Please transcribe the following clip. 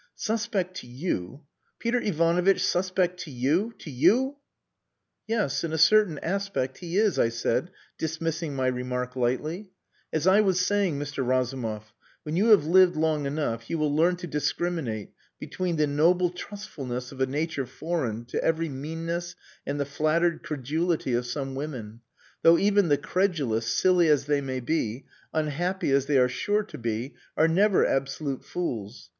"Suspect to you! Peter Ivanovitch suspect to you! To you!..." "Yes, in a certain aspect he is," I said, dismissing my remark lightly. "As I was saying, Mr. Razumov, when you have lived long enough, you will learn to discriminate between the noble trustfulness of a nature foreign to every meanness and the flattered credulity of some women; though even the credulous, silly as they may be, unhappy as they are sure to be, are never absolute fools.